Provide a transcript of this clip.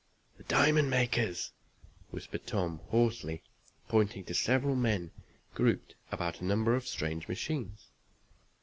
"The diamond makers!" whispered Tom, hoarsely, pointing to several men grouped about a number of strange machines.